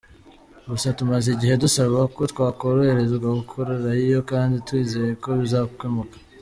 Gusa tumaze igihe dusaba ko twakoroherezwa gukorerayo kandi twizeye ko bizakemuka.